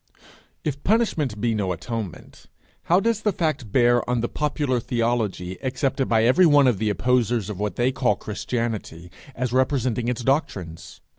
If punishment be no atonement, how does the fact bear on the popular theology accepted by every one of the opposers of what they call Christianity, as representing its doctrines?